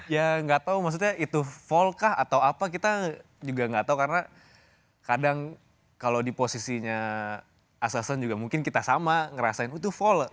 ya nggak tahu maksudnya itu fall kah atau apa kita juga nggak tahu karena kadang kalau di posisinya asason juga mungkin kita sama ngerasain itu fall ad